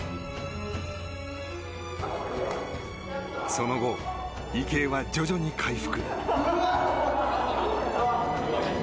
その後、池江は徐々に回復。